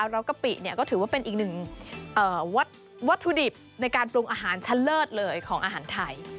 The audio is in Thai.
กะปิก็ถือว่าเป็นอีกหนึ่งวัตถุดิบในการปรุงอาหารชั้นเลิศเลยของอาหารไทย